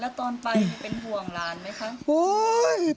แล้วตอนไปเป็นห่วงหลานไหมคะ